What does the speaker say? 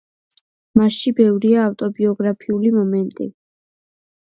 მასში ბევრია ავტობიოგრაფიული მომენტი.